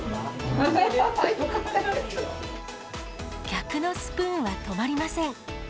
客のスプーンは止まりません。